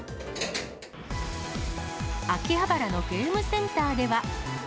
秋葉原のゲームセンターでは。